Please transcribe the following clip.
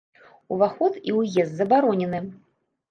Уваход і ўезд забаронены!